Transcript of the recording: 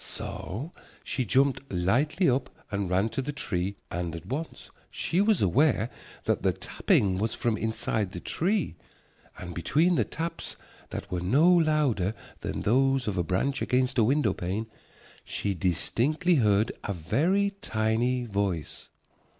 So she jumped lightly up and ran to the tree, and at once she was aware that the tapping was from inside the tree. And between the taps that were no louder than those of a branch against a window pane she distinctly heard a very tiny voice.